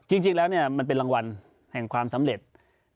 จริงแล้วมันเป็นรางวัลแห่งความสำเร็จ